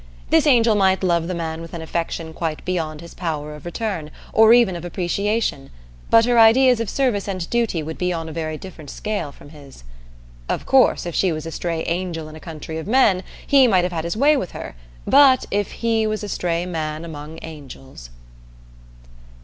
This angel might love the man with an affection quite beyond his power of return or even of appreciation, but her ideas of service and duty would be on a very different scale from his. Of course, if she was a stray angel in a country of men, he might have had his way with her; but if he was a stray man among angels